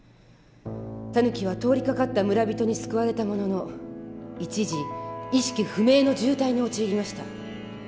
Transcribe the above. タヌキは通りかかった村人に救われたものの一時意識不明の重体に陥りました。